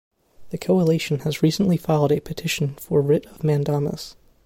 The Coalition has recently filed a Petition for Writ of Mandamus.